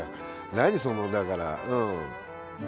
何そのだからうん。